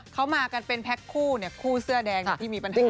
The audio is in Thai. เขามากันเป็นแพ็คคู่เนี่ยคู่เสื้อแดงที่มีปัญหา